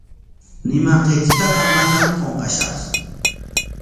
Ñimanqaykitaqa manam qunqashaqtsu.